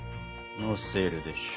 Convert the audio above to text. のせるでしょ。